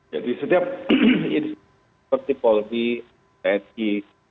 jadi setiap istri yang dikonsultasi